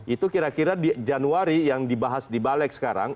itu kira kira di januari yang dibahas di balik sekarang